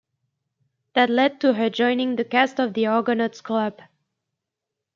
That led to her joining the cast of the "Argonauts Club".